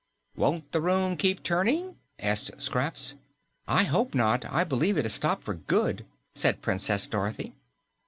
"Won't the room keep turning?" asked Scraps. "I hope not. I believe it has stopped for good," said Princess Dorothy.